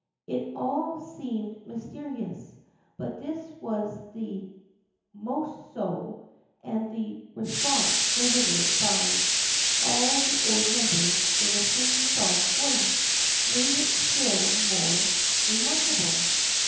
It all seemed mysterious, but this was the most so, and the response, delivered by all the old members in a sing song voice made it still more remarkable.